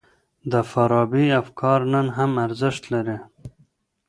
د فارابي افکار نن هم ارزښت لري.